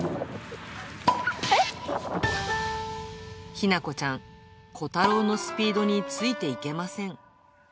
日向子ちゃん、コタローのスピードについていけません。